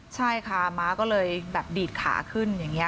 ใช่ค่ะม้าก็เลยแบบดีดขาขึ้นอย่างนี้